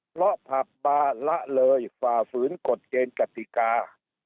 เพราะผับบาละเลยฝ่าฝืนกฎเกณฑ์กติกา